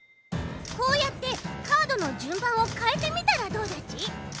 こうやってカードのじゅんばんをかえてみたらどうだち？